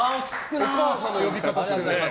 お母さんの呼び方してる。